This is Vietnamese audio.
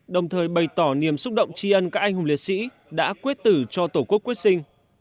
đồng thời bày tỏ niềm xúc động tri ân các anh hùng liệt sĩ đã quyết tử cho tổ quốc quyết sinh